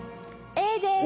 Ａです！